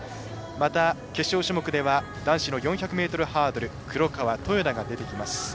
また、決勝種目では男子の４００ｍハードル黒川、豊田が出てきます。